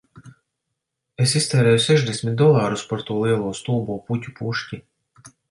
Es iztērēju sešdesmit dolārus par to lielo stulbo puķu pušķi